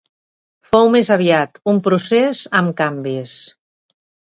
Fou més aviat un procés amb canvis.